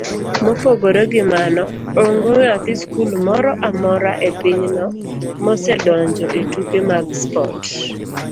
Mopogore gi mano, onge nyathi skul moro amora epinyno mosedonjo etuke mag spot,